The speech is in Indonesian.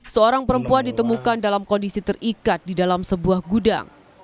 seorang perempuan ditemukan dalam kondisi terikat di dalam sebuah gudang